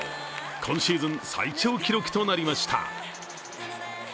今シーズン最長記録となりました。